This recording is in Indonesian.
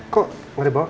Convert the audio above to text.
kok gak dibawa